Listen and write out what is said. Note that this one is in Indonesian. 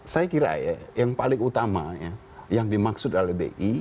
saya kira ya yang paling utama ya yang dimaksud oleh bi